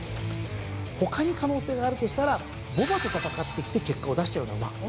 他に可能性があるとしたら牡馬と戦ってきて結果を出したような馬。